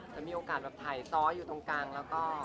จะมีโอกาสแบบถ่ายซ้ออยู่ตรงกลางแล้วก็